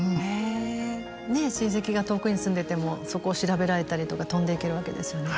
ねえ親戚が遠くに住んでてもそこを調べられたりとか飛んでいけるわけですよね。